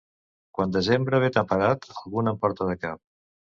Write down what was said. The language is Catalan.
Quan desembre ve temperat, alguna en porta de cap.